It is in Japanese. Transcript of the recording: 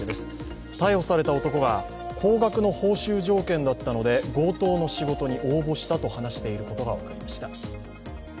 逮捕された男が高額の報酬条件だったので、強盗の仕事に応募したと話していることが分かりました。